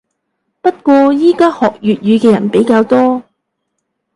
不過依家學粵語嘅人比較多